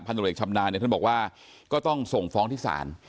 ตรวจเอกชำนาญเนี่ยท่านบอกว่าก็ต้องส่งฟ้องที่ศาล